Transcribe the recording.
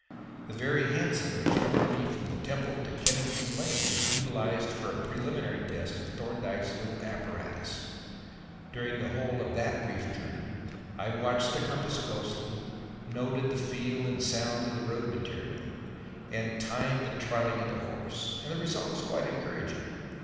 The very hansom which bore me from the Temple to Kennington Lane was utilized for a preliminary test of Thorndyke's little apparatus. During the whole of that brief journey I watched the compass closely, noted the feel and sound of the road material and timed the trotting of the horse. And the result was quite encouraging.